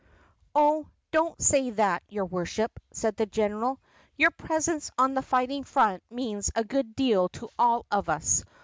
"Oh, don't say that, your Worship," said the general. "Your presence on the fighting front means a good deal to all of us.